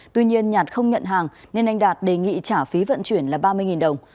tuy nhiên nhạt không nhận hàng nên anh đạt đề nghị trả phí vận chuyển là ba mươi đồng